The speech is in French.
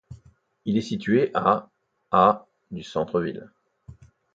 Il est situé à , à du centre-ville.